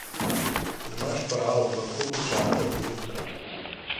Imaš prav, lahko počaka do jutra.